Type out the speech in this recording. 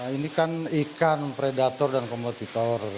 ini kan ikan predator dan kompetitor